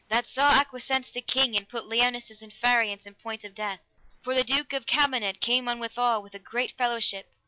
That saw Agwisance the king, and put Lionses and Phariance in point of death; for the Duke of Cambenet came on withal with a great fellowship.